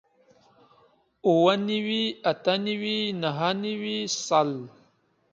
اووه نوي اتۀ نوي نهه نوي سل